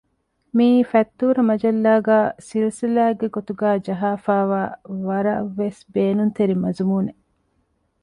މިއީ ފަތްތޫރަ މަޖައްލާގައި ސިލްސިލާއެއްގެ ގޮތުގައި ޖަހައިފައިވާ ވަރަށް ވެސް ބޭނުންތެރި މަޒުމޫނެއް